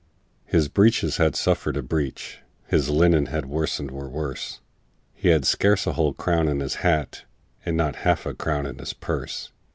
His breeches had suffered a breach, His linen and worsted were worse; He had scarce a whole crown in his hat, And not half a crown in his purse.